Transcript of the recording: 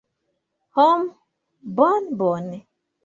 Hm, bone bone.